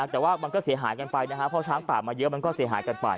แต่ว่ามันก็เสียหายกันไปนะครับเพราะช้างป่ามาเยอะมันก็เสียหายกันไป